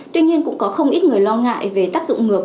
tuy nhiên cũng có không ít người lo ngại về tác dụng ngược